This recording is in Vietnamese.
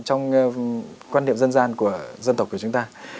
trong quan niệm dân gian của dân tộc của chúng ta